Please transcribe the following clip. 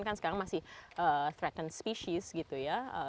kan sekarang masih threatened species gitu ya